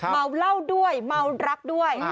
เมาเหล้าด้วยเมารักด้วย